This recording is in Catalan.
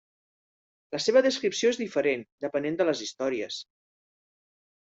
La seva descripció és diferent depenent de les històries.